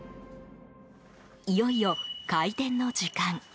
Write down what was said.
いよいよ、開店の時間。